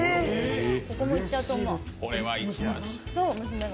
ここも行っちゃうと思う、娘が。